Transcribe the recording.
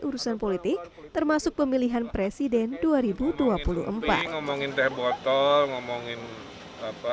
urusan politik termasuk pemilihan presiden dua ribu dua puluh empat kata mengingat dia bacawan ngomongin apa